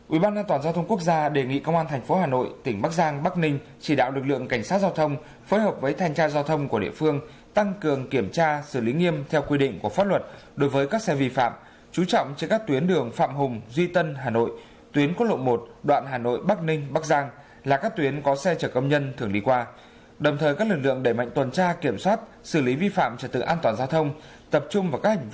ủy ban an toàn giao thông quốc gia đề nghị công an thành phố hà nội tỉnh bắc giang bắc ninh chỉ đạo lực lượng cảnh sát giao thông phối hợp với thanh tra giao thông của địa phương tăng cường kiểm tra xử lý nghiêm theo quy định của pháp luật đối với các xe vi phạm chú trọng cho các tuyến đường phạm hùng duy tân hà nội tuyến quốc lộ một đoạn hà nội bắc ninh bắc giang là các tuyến có xe chở công nhân thường đi qua đồng thời các lực lượng đẩy mạnh tuần tra kiểm soát xử lý vi phạm trở tự an toàn giao thông tập trung vào các